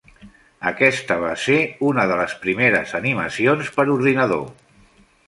Aquesta va ser una de les primeres animacions per ordinador.